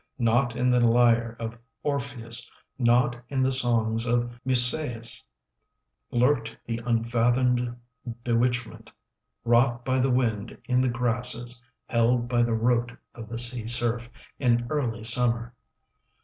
Not in the lyre of Orpheus, Not in the songs of Musæus, Lurked the unfathomed bewitchment Wrought by the wind in the grasses, 10 Held by the rote of the sea surf, In early summer.